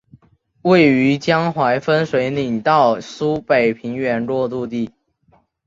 位于江淮分水岭到苏北平原过度地。